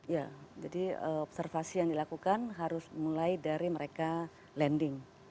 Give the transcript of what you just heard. ya jadi observasi yang dilakukan harus mulai dari mereka landing